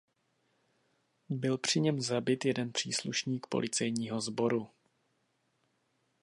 Byl při něm zabit jeden příslušník Policejního sboru.